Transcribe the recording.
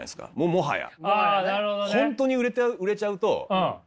もはや。